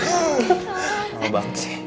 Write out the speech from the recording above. lama banget sih